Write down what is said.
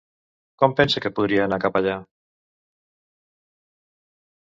Com pensa que podria anar cap allà?